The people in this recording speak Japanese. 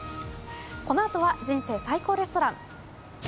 このあとは「人生最高レストラン」。